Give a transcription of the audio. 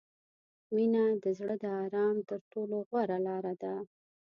• مینه د زړه د آرام تر ټولو غوره لاره ده.